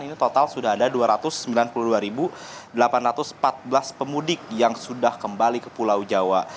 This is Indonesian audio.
ini total sudah ada dua ratus sembilan puluh dua delapan ratus empat belas pemudik yang sudah kembali ke pulau jawa